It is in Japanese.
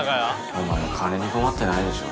お前金に困ってないでしょ